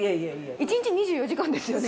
１日２４時間ですよね。